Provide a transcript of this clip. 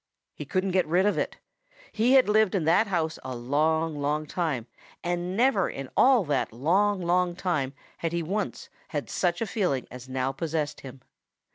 He couldn't get rid of it He had lived in that house a long, long time and never in all that long, long time had he once had such a feeling as now possessed him.